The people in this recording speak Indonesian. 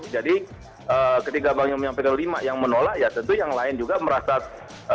jadi ketika bang zul menyampaikan lima yang menolak ya tentu yang lain juga merasa terpanggil untuk